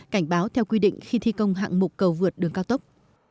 cảnh báo theo quy định khi thi công hạng mục cầu vượt đường cao tốc